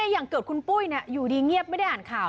อย่างเกิดคุณปุ้ยอยู่ดีเงียบไม่ได้อ่านข่าว